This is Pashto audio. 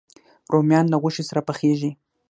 رومیان له غوښې سره پخېږي